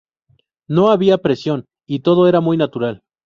No había presión, y todo era muy natural.